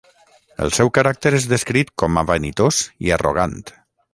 El seu caràcter és descrit com a vanitós i arrogant.